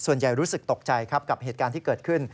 ส่วนใหญ่รู้สึกตกใจกับเหตุการณ์ที่เกิดขึ้น